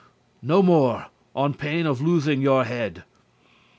No more, on pain of losing of your head.